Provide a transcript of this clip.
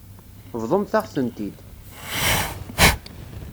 Bḍumt-aɣ-tent-id.